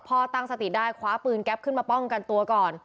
ตั้งสติได้คว้าปืนแก๊ปขึ้นมาป้องกันตัวก่อน